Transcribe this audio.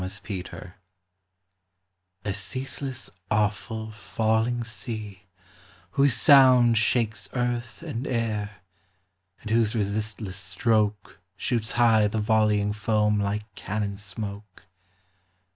NIAGARA A ceaseless, awful, falling sea, whose sound Shakes earth and air, and whose resistless stroke Shoots high the volleying foam like cannon smoke!